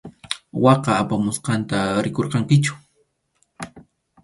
Waka apamusqanta rikurqankichu.